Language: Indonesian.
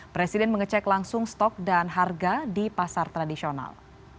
presiden mengecek langsung stok dan harga di pasar tradisional